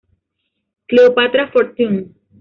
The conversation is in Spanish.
Cleopatra Fortune